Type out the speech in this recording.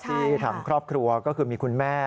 ที่ทางครอบครัวก็คือมีคุณแม่